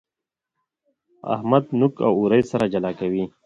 احمد نوک او اورۍ سره جلا کوي.